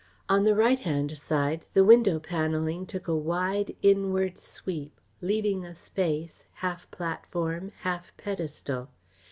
On the right hand side the window panelling took a wide, inward sweep, leaving a space, half platform, half pedestal.